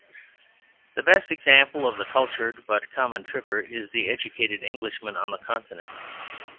The best example of the cultured, but common, tripper is the educated Englishman on the Continent.